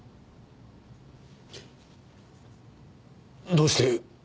どうして！？